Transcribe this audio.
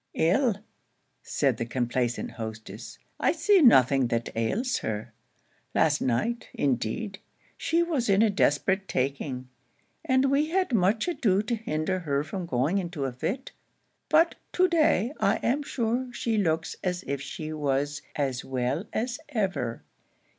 'Ill,' said the complaisant hostess, 'I see nothing that ails her: last night, indeed, she was in a desperate taking, and we had much ado to hinder her from going into a fit; but to day I am sure she looks as if she was as well as ever.'